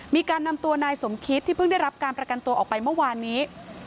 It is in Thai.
มีการนำตัวนายสมคิตที่เพิ่งได้รับการประกันตัวออกไปเมื่อวานนี้